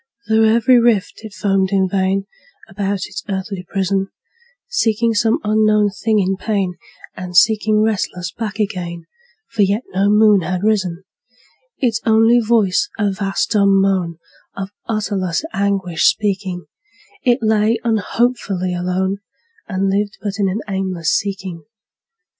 Through every rift it foamed in vain, About its earthly prison, Seeking some unknown thing in pain, And sinking restless back again, For yet no moon had risen: Its only voice a vast dumb moan, Of utterless anguish speaking, It lay unhopefully alone, And lived but in an aimless seeking.